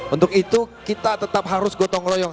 untuk itu kita tetap harus gotong royong